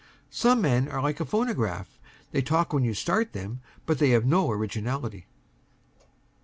Some men are like a phonograph they talk when you start them, but they have no originality.